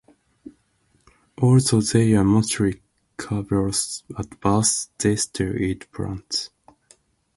Although they are mostly carnivorous at birth, they still eat plants.